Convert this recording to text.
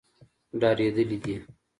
ډارېدلي دي.